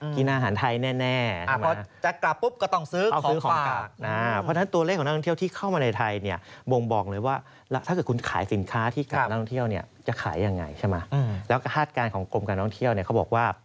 กินอาหารไทยแน่ใช่ไหมครับ